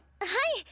はい！